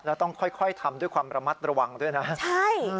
แล้วต้องค่อยค่อยทำด้วยความระมัดระวังด้วยนะใช่